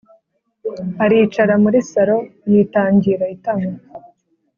aricara muri sallo, yitangira itama